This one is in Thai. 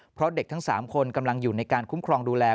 เพราะเด็กทั้ง๓คนกำลังอยู่ในการคุ้มครองดูแล